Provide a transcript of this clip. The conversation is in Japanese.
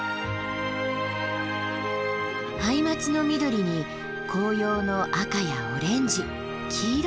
ハイマツの緑に紅葉の赤やオレンジ黄色。